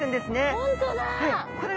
本当だ。